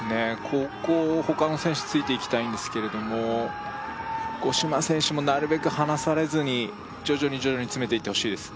ここを他の選手ついていきたいんですけれども五島選手もなるべく離されずに徐々に徐々に詰めていってほしいです